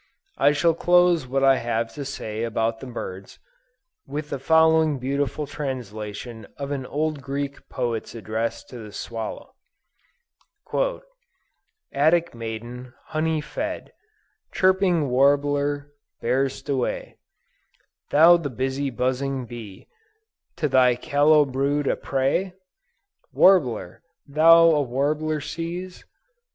I shall close what I have to say about the birds, with the following beautiful translation of an old Greek poet's address to the swallow. "Attic maiden, honey fed, Chirping warbler, bear'st away, Thou the busy buzzing bee, To thy callow brood a prey? Warbler, thou a warbler seize?